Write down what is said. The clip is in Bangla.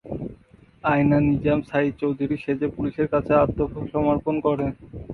আয়না নিজাম সাঈদ চৌধুরী সেজে পুলিশের কাছে আত্মসমর্পণ করে।